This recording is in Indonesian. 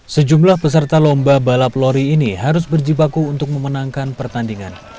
sejumlah peserta lomba balap lori ini harus berjibaku untuk memenangkan pertandingan